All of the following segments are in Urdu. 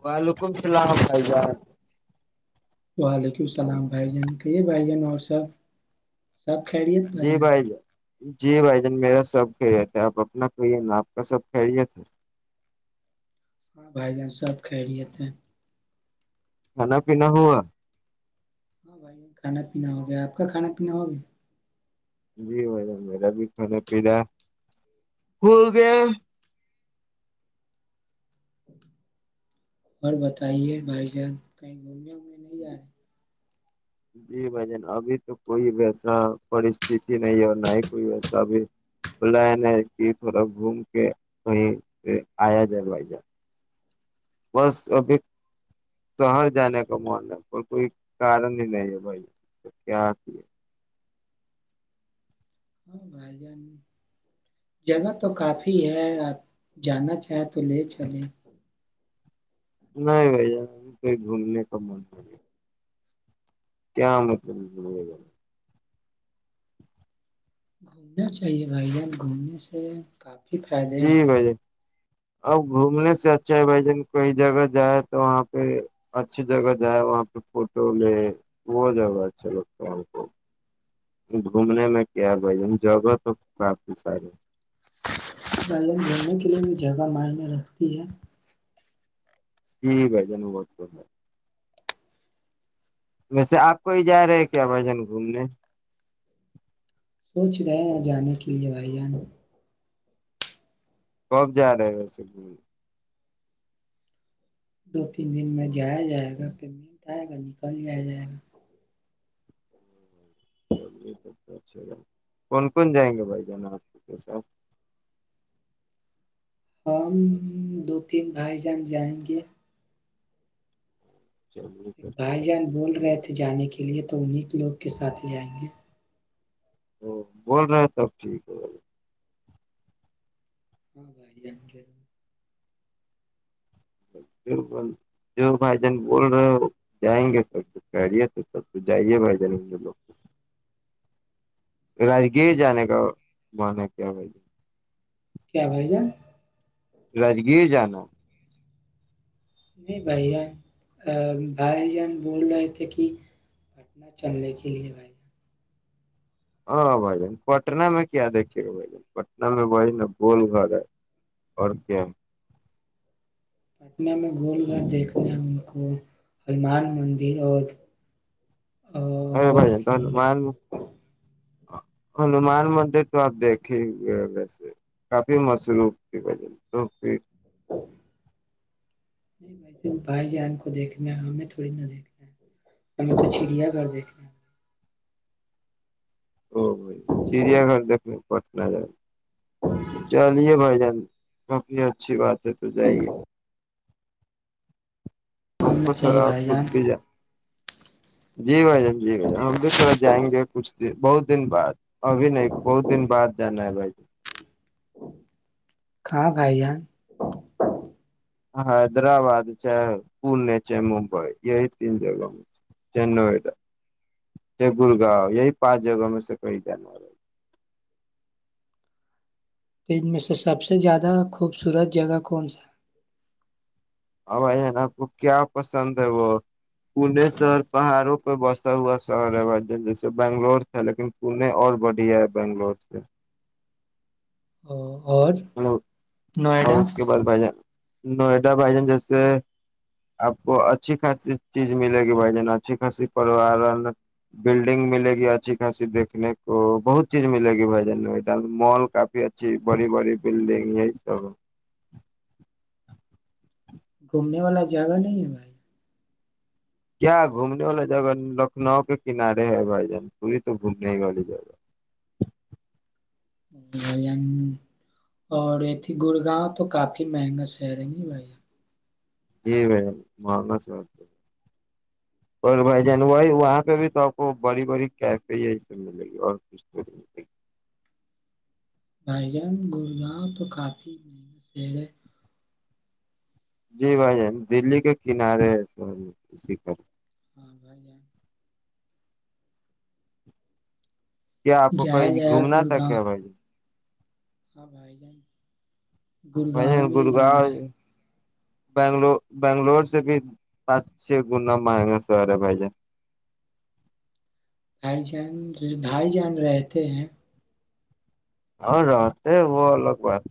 ب لو [inaudible] ولیکم السلام بھائی [unintelligible] وعلیکم [inaudible] سلام بھ جان کہیے بائی جان اور سے سب کھیڑیےت بھائی جی یہاں [unintelligible] جان جی بھائی جان میرا سب خیریت آپ اپنا کیے نا آپ کا سب خری تھا ہاں بھائی جان سب خیریت کھانا پینا ہوا ہاں بھائی کھانا پینا ہو گیا آپ کا کھانا پینا ہوگیا [unintelligible] جی م میرا بھی کھانا پینا ہو گیا [unintelligible] اور بتائیے بھائی جان کہیں گوم [unintelligible] جیی جی بھائی جان ابھی تو کوئی ویسا پرستتی نہیں ہے نہ ہی کوئی وسا اب بلائن ہے کہ تھوڑا گھوم کے کہیں پ آیا جائے بھائی جان بس ابھی شہر جانے کا من ہے پر کوئی کارن ہی نہیں ہے بھائی کیاتی ہے ہاں بھائی جان جگہ تو کافی ہے آپ جانا چاہیں تو لے چلیں نہیں بھ ہم کوئی گھومنے کا من نہیں نہیں کیا مطل گ گھومنا چاہیے بھائی جان گھومنے سے کافی فائدے ہیں جی ہمارے بھائی جان اب گھومنے سے اچھا ہے بھائی جان کہیں جگہ جائے تو وہاں پہ اچھی جگہ جائے وہاں پہ فوٹو لے وہ جگہ اچھا لگتا ہے ہم کو گھومنے میں کیا ہے بھائی جگہ تو کافی ساری بائن دڑنے کے لیئے بھی جگہ معنی رکھتی ہے جی جی بھ جان بہت ب ہے ویسے آپ کو ہی جا رہے کیا بھجن گھومنے کچھ گئے نا جانے کے لیے بھائی جانو کب جا رہے ہیں ویسے دو تین دن میں جایا جائے گا پیمنٹ آئے گا نکل جایا جائے گا چے سب تو اچھے گا کون کون جائیں گے بھائی جانا آپ کے ساتھ ہم دو تین بھائی جان جائیں گے ایک بھائی جان بول چلیے رہے تھے جانے کے لیے تو انہ لوگ کے ساتھ ہی جائیں گے ا بول رہے ہیں تب ٹھیک ہے ب ہاں بھائی آ کے جو جو بھائی جان بول رہے ہو جائیں گے سب کہہے تو سب تو جائیے بھائی جان م لوگ ہاں بھائی راگیر جان جانے چل کا جائیں بے کا کیا بائیے کیا بھائی جان راجگیر جانا نہیں بھائی جان بھائی جان بول رہے تھے کہ پٹنہ چلنے کے لیے بھائی جان ہاں بھائی جان پٹنہ میں کیا دیکھیے گا بھائی جان پٹن میں بھائی نا گول گھر ہے اور کیا پٹن میں گول گھر دیکھنے ان کو ہنومان مندر اور ارے اور بھ جان تو نہیں مال ہنومان مندر تو آپ دیکھے گئے ویسے کافی مصروف کی وجہ تو پھر [inaudible] نہیں بھائی بھائی جان کو دیکھنا ہمیں تھوڑی نہ دیکھنا ہمیں تو چڑیا گھر دیکھنا او چڑیا گھر دیکنے پٹن ج چلیے بھائی جانفی اچھی بات ہے تو جائیے انک گھومنا تھ چاہیے رہا بھائی خود جان بھی جا جی بائی ج جی ہم بھی تھوڑا جائیں گے کچھ دیر بہت دن بعد ابھین بہت دن بعد جانا ہے بھائی کہاں بھائی ان حیدرآباد چاہ پونے چاہ ممبئی یہ ہی تین جگہ م چاہ نوڈا چاہ گڑگاؤ یہ ہی پانچ جگہ م سےے کہیں ج ہے ان میں سے سب سے زیادہ خوبصورت جگہ کون سا ا بائی جان آپ کو کیا پسند ہے وہ پونے سر پہاڑوں پہ بسا ہوا شہر ہے ب جیسے بنگلور تھا لیکن پونے اور بڑھیا ہے بنگلور سے ہ اور اور نوئیڈا اس کے بعد ب جان نوئیڈا بھائی جان جیسے آپ کو اچھی خاصی چیز ملے گی بھائی جان اچھی خاصی پوارن بلڈنگ ملے گی اچھی خاصی دیکنے کو بہت چیز ملے گی بھائی جان نوئیڈا میں مال کافی اچھی بڑی بڑی بلڈنگ ہے توب گھومنے والا جگہ نہیں ہے بھائی کیا گھومنے والا جگہ لکھنؤ کے کنارے ہے بھائی جان پوری تو گھومنے والی جگہ ھائی اور یہ گڑگاؤں تو کافی مہنگا شہر ہے ن بھائی جی بھائی ج م اور بھائی جان وہی وہاں پہ بھی تو آپ کو بڑی بڑی کیفے ملے گی اور ک گ بھائی جان گڑگاں تو کافی محنت سے ہے جی بھائین دلی کے کنارے س اسی پر ہاں بائی جان کیا آپ کو کہیں جایا گھومنا تھا کیا بھائی آاں بھائی جان ب گڑگاؤں میں ہی گڑگاؤ جانا ہے بنگل بنگلور سے بھی پانچ چھ گنا مہنگا شہر ہے بھائی جان بھائی جان بھائی جان رہتے ہیں اور رہتے وہ الگ بات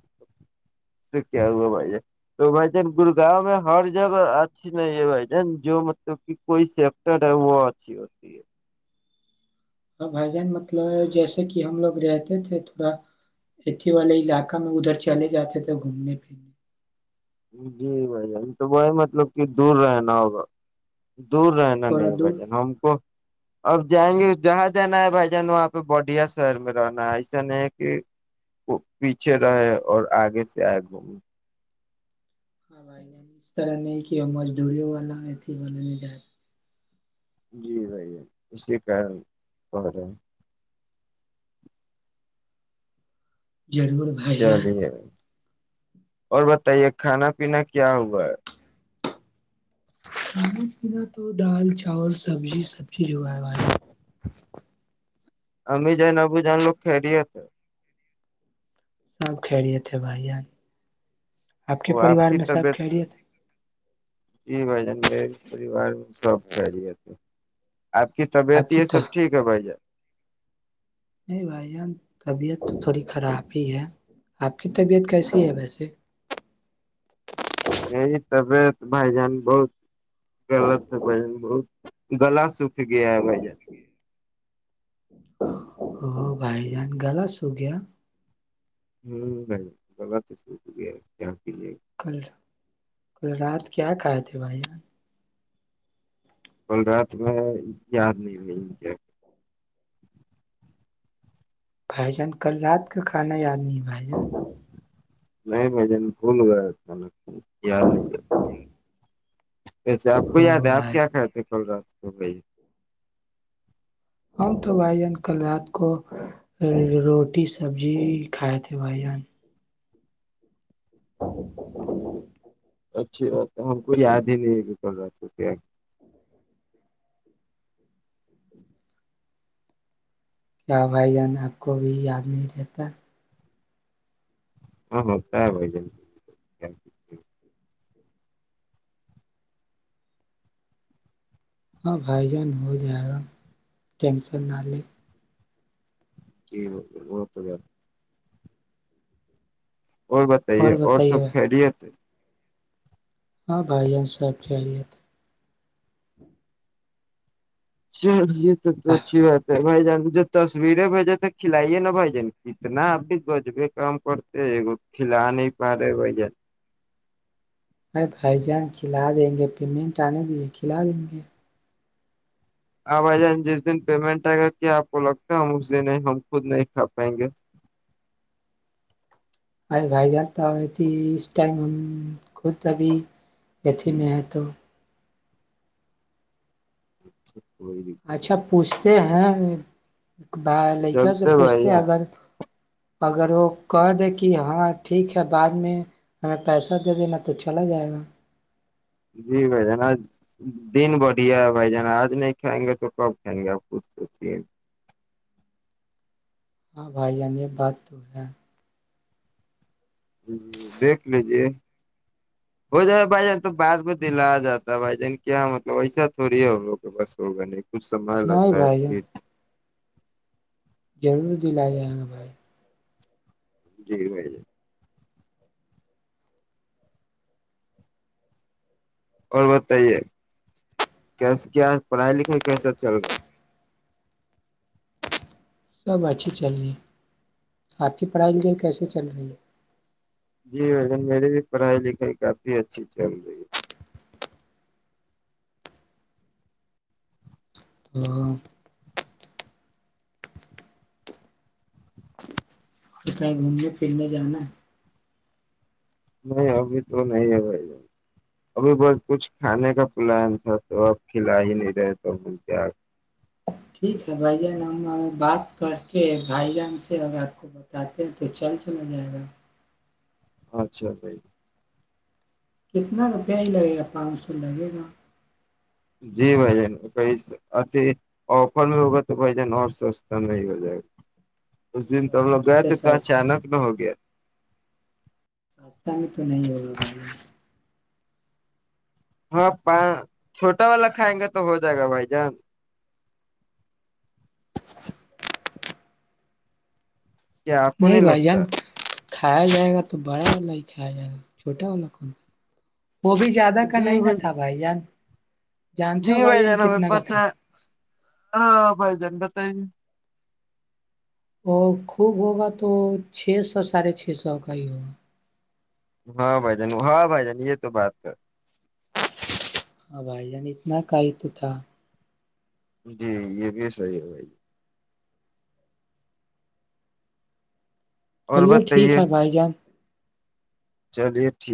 سے کیا ہوا بھائی جان تو بھائی جان گڑگاؤں میں ہر جگہ اچھی نہیں ہے بھائی جان جو مطلب کہ کوئی سیپٹر ہے وہ اچھی ہوتی ہے ہاں بھائی جان مطلب جیسے کہ ہم لوگ رہتے تھے تھوڑا اتی والے علاقہ میں ادھر چلے جاتے تھے گھومنے پھرنے جی بھائی ہم تو وہی مطلب کہ دور رہنا ہوگا دور ہاں رہنا تھوڑا نہیں بھ دور جن ہم کو اب جائیں گے جہاں جانا ہے بھائی جان وہاں پہ بڈیا شہر میں رہنا ہے ایسا نہیں ہے کہ وہ پیچھے رہے اور آگے سے آئے گھوم ہاں بھائی اس طرح نہیں کہ مزدوریوں والاتی والے نہیں ج جی بھیا اس لیے کہ پ رہے ہیں ضرور بھائییا چلیے اور بتائیے کھانا پینا کیا ہوا ہے کانو پینا تو دال چاول سبزی سب چی اگائے وال امی جین ابو جین لوگ خھیری تھ سانپ کریے تھے بھائی جان کے وہ آپ پریوار کی میں سب طبیعت خیریت ہے جی بھائی جان میرے پریوار میں سب کہہ رہے تھے آپ کی آپ طبیعت کی یہ تو سب ٹھیک ہے بھائی جان نہیں بھائی ان طبیعت تو تھوڑی خراب ہی ہے آپ کی طبیعت کیسی ہے ویسے نہیں تبعت بھائی جان بہت غلط ہے بھ جان بہت گلا سکھ گیا ہے بھائی جان ا بھائی جان گلا سو گیا ہ نہیں گلا تو شروع ہو گیا جاں پ لے کل کل رات کیا کہے تھے بھائی یہاں کول رات میں یاد نہیں مل کیا بھائی جان کل رات کا کھانا یاد نہیں بھائی جان نہیں بھ جن بھول گیا یاد نہیں کیا ویسے آپ کو یاد او ہے آپ بھائی کیا کہتے ہیں کل رات کو بھائی ہم تو بھائی جان کل رات کو روٹی سبزی کھائے تھے بھائی جان چلیے س اچھی ب تو ہم کو یاد ہی نہیں کہ چ رہوا [inaudible] کیا بھائی جان آپ کو بھی یاد نہیں رہتا ہاں ہاں س بھ ج ہب بھائی جان ہو جائے گا ٹینسن نہ لے جی ب ب توار اور بتائیے اور بتائیے سب بھائی۔ خیریت ہاں بھائی یہاں صاحب خیال تھا ش یہی تو ہے۔ آہ، اچھی بات ہے بائی جان جو تصویریں بھیج تو کھلائیے نہا بھجن کتنا اب بھی گجبے کام کرتے کھلا نہیں پا رہے بھ جن ارے بھائی جان کھلا دیں گے پیمنٹ آنے دیے کھلا دیں گے آپ بائی جان جس دن پیمنٹ آئے گا کیا آپ کو لگتا ہے ہم اس دن ہم خود نہیں کھا پائیں گے ارے بھائی جانتا اتی اس ٹائم ہم خود ابھی اتھی میں ہے تو جی اچھا پوچھتے ہیں ہاں بائی لڑکیوں سے چلتے پوچھتے بھائی ہیں جان اگر اگر وہ کہہ دے کہ ہاں ٹھیک ہے بعد میں ہمیں پیسہ دے دینا تو چلا جائے گا جی بھائی جانا دن بڑھیا ہے بھائی جانا آج نہیں کھائیں گے تو کب کھائیں گے آپ خ سوچے ہاں بھائیب بات تو ہے ج دیکھ لیجے ہو جائے بھائی جان تو بعد میں دل آ جاتا ہے بھائی جان کیا مطلب ایسا تھوڑی ہے ہم لوگ کے بس ہوگنے کچھ سبھال لگ نہیں رہا ہے بھائی جان پھر ضرور دل آ جائے گا بھائی جی بھائی جی اور بتائیے کی کیا پڑھائی لکھائی کیسا چل گا سب اچھیھی چل رہی ہے آپ کی پرڑھائز ل کیسے چل رہی ہے جی بھن میرے بھی پڑھائی لکھائی کافی اچھی چل رہی ہے تو ا ہے گھومنے پھرنے جانا نہیں ابھی تو نہیں ہے بھائی ابھی بس کچھ کھانے کا پلان تھا تو اپ کھلا ہی نہیں رہے تو ب کیا ٹھیک ہے بھائی جان ہم بات کر کے بھائی جان سے اگر آپ کو بتاتے ہیں تو چل چلا جائے گا اچھا بھی کتنا روپیہ ہی لگے گا پانچ سو لگے گا جی بھ جان اھی آفر میں ہوگا تو بھ جان اور سستا میں ہی ہو جائے گا اس نہیں دن بھائی طبل جان اس بیت سے کا اچانک نہ ہو گیا راستہ میں تو نہیں ہوگاا ہاں پان چھوٹا والا کھائیں گا تو ہو جائے گا بھائی جان کیا کونے نہیں ہی بھائی لگتا جان کھایا جائے گا تو بڑا والا ہی کھایا جائے گا چھوٹا والا کون وہ بھی زیادہ کا نہیں ن تھا بھائی جان جانتے جی ہو بھائی جان جانب ہے کتنا کا پت تھا ہے ہاں بھائی جان بتائی اور خوب ہوگا تو چھ سو ساڑھے چھ سو کا ہی ہوگا ہاں بھائی جان ہاں بھائی جان یہ تو بات ہے ہاں بھائی جان اتنا کائی تو تھا جی یہ بھی صحیح ہے بھائی اور چلیے ٹھیک بتائیے ہے بھائی جان چلیے ٹھیک